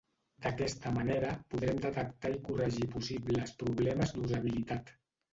D'aquesta manera, podrem detectar i corregir possibles problemes d'usabilitat.